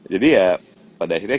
jadi ya pada akhirnya